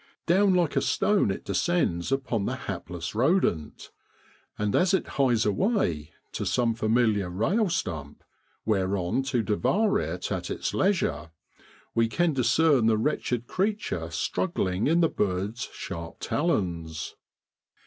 Down like a stone it descends upon the hapless rodent ; and as it hies away to some familiar rail stump, whereon to devour it at its leisure, we can discern the wretched creature struggling in the bird's sharp talons.